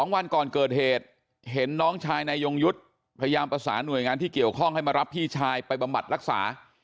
วันก่อนเกิดเหตุเห็นน้องชายนายยงยุทธ์พยายามประสานหน่วยงานที่เกี่ยวข้องให้มารับพี่ชายไปบำบัดรักษา